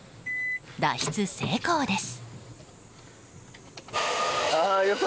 脱出成功です！